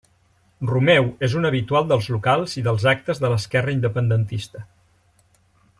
Romeu és un habitual dels locals i dels actes de l'esquerra independentista.